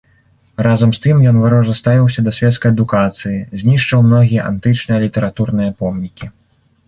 Разам з тым ён варожа ставіўся да свецкай адукацыі, знішчаў многія антычныя літаратурныя помнікі.